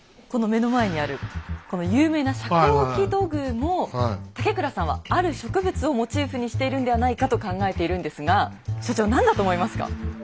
この目の前にあるこの有名な遮光器土偶も竹倉さんはある植物をモチーフにしているんではないかと考えているんですが所長何だと思いますか？